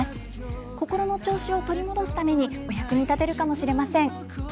こころの調子を取り戻すためにお役に立てるかもしれません。